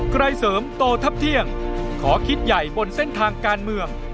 เสริมโตทับเที่ยงขอคิดใหญ่บนเส้นทางการเมือง